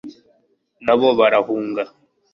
na bo barahunga